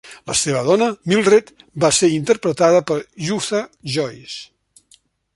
La seva dona, Mildred, va ser interpretada per Yootha Joyce.